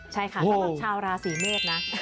ใช่ค่ะสำหรับชาวราศีเมษนะ